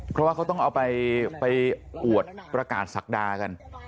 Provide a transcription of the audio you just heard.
เพราะว่าเขาต้องเอาไปอวดประกาศศักดากัน